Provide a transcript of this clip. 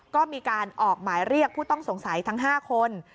ก็มีการออกหมายเรียกผู้ต้องสงสัยทั้ง๕คน